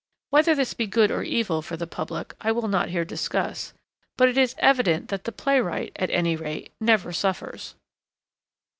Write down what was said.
Whether this be good or evil for the public I will not here discuss, but it is evident that the playwright, at any rate, never suffers.